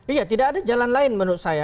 iya tidak ada jalan lain menurut saya